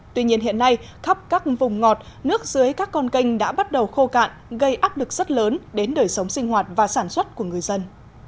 tuy nhiên hiện nay khắp các vùng ngọt nước dưới các con kênh đã bắt đầu khô cạn gây áp lực rất lớn đến đời sống sinh hoạt và sản xuất của người dân